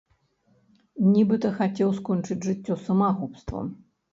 Нібыта хацеў скончыць жыццё самагубствам.